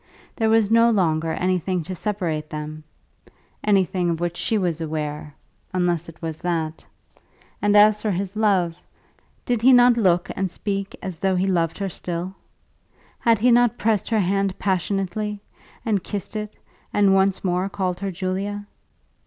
There was no longer anything to separate them, anything of which she was aware, unless it was that. And as for his love, did he not look and speak as though he loved her still? Had he not pressed her hand passionately, and kissed it, and once more called her Julia?